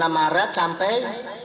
dua puluh enam maret sampai